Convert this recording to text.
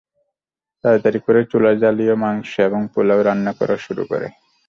তাড়াতাড়ি করে চুলা জ্বালিয়ে মাংস এবং পোলাও রান্না করা শুরু করে।